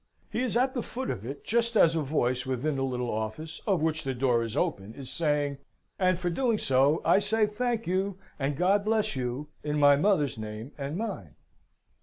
He is at the foot of it, just as a voice within the little office, of which the door is open, is saying, "and for doing so, I say thank you, and God bless you, in my mother's name and mine."